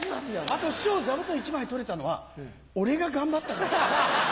あと師匠座布団１枚取れたのは俺が頑張ったから。